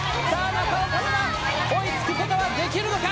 中岡ママ追いつくことはできるのか。